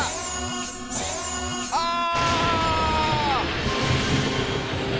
ああ！